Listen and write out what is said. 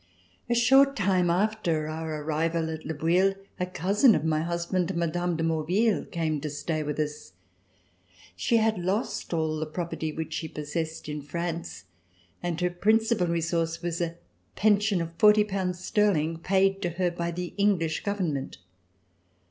A short time after our arrival at Le Bouilh, a cousin of my husband, Mme. de Maurville, came to stay with us. She had lost all the property which she possessed in France and her principal resource was a pension of forty pounds sterling, paid to her by the English government.